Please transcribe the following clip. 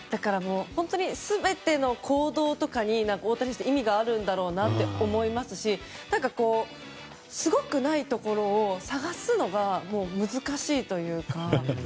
全ての行動とかに大谷選手は意味があるんだろうなって思いますしすごくないところを探すのが難しいというか。